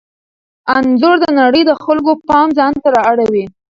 انځور د نړۍ د خلکو پام ځانته را اړوي.